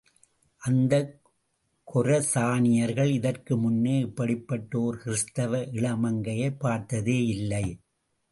அந்தக் கொரசானியர்கள் இதற்குமுன்னே இப்படிப்பட்ட ஓர் கிறிஸ்துவ இளமங்கையைப் பார்த்ததேயில்லை.